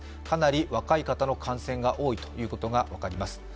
かなり若い方の感染が多いことが分かります。